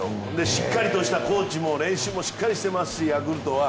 しっかりとコーチも練習をしっかりしてますしヤクルトは。